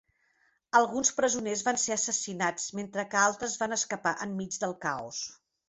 Alguns presoners van ser assassinats, mentre que altres van escapar enmig del caos.